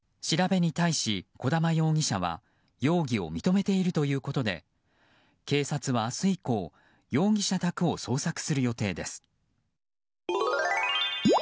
調べに対し児玉容疑者は容疑を認めているということで警察は明日以降容疑者宅を捜索する予定です。